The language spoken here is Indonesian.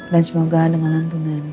dan semoga dengan lantunan